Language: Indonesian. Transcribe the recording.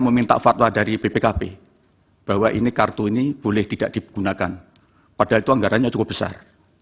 meminta fatwa dari bpkp bahwa ini kartu ini boleh tidak digunakan padahal itu anggarannya cukup besar